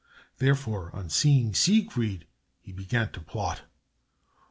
Therefore, on seeing Siegfried, he began to plot.